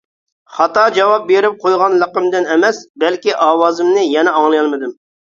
خاتا جاۋاب بېرىپ قويغانلىقىمدىن ئەمەس، بەلكى ئاۋازىمنى يەنە ئاڭلىيالمىدىم.